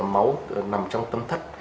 máu nằm trong tâm thất